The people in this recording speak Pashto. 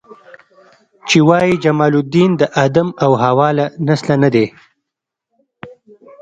چې وایي جمال الدین د آدم او حوا له نسله نه دی.